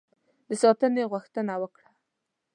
د ساتنې غوښتنه وکړه.